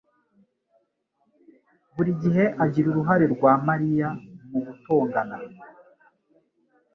buri gihe agira uruhare rwa Mariya mu gutongana.